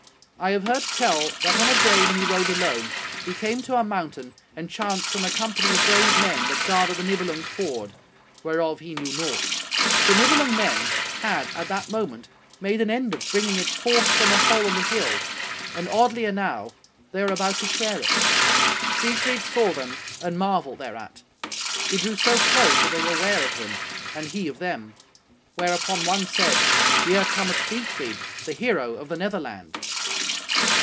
I have heard tell that on a day when he rode alone, he came to a mountain, and chanced on a company of brave men that guarded the Nibelung's hoard, whereof he knew naught. The Nibelung men had, at that moment, made an end of bringing it forth from a hole in the hill, and oddly enow, they were about to share it. Siegfried saw them and marvelled thereat. He drew so close that they were ware of him, and he of them. Whereupon one said, 'Here cometh Siegfried, the hero of the Netherland!